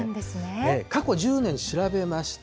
過去１０年調べました。